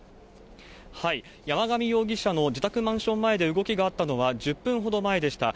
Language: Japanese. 山上容疑者の自宅マンション前で動きがあったのは１０分ほど前でした。